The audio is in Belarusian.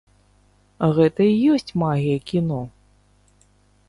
Гэта і ёсць магія кіно!